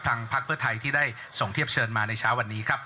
พักเพื่อไทยที่ได้ส่งเทียบเชิญมาในเช้าวันนี้ครับ